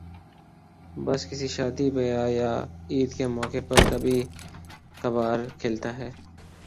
بس کسی شادی بیاہ یا عید کے موقع پر کبھی کبھارکھلتا ہے ۔